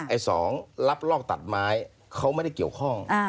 ไอ้สองรับลอกตัดไม้เขาไม่ได้เกี่ยวข้อง